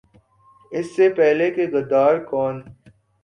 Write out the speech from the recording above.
اس سے پہلے کہ "غدار کون؟